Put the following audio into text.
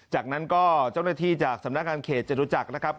จากนั้นก็เจ้าหน้าที่จากสำนักงานเขตจตุจักรนะครับ